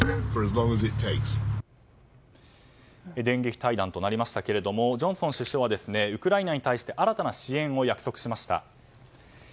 電撃対談となりましたがジョンソン首相はウクライナに対して新たな支援を約束しました。